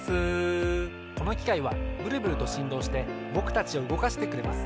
このきかいはブルブルとしんどうしてぼくたちをうごかしてくれます。